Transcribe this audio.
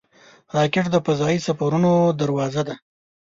راکټ د فضايي سفرونو دروازه ده